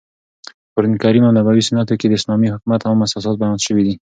په قرانکریم او نبوي سنتو کښي د اسلامي حکومت عام اساسات بیان سوي دي.